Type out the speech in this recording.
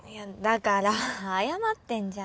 だから謝ってんじゃん。